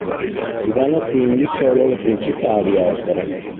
Si danno quindi solo le principali opere.